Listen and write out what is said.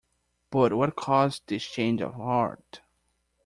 But what caused this change of heart?